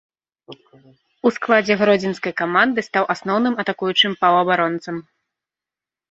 У складзе гродзенскай каманды стаў асноўным атакуючым паўабаронцам.